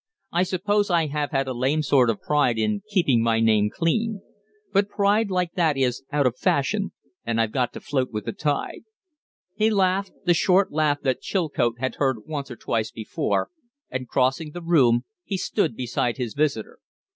"I suppose I have had a lame sort of pride in keeping my name clean. But pride like that is out of fashion and I've got to float with the tide." He laughed, the short laugh that Chilcote had heard once or twice before, and, crossing the room, he stood beside his visitor.